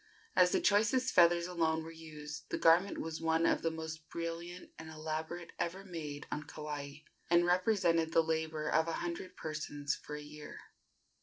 As the choicest feathers alone were used, the garment was one of the most brilliant and elaborate ever made on Kauai, and represented the labor of a hundred persons for a year.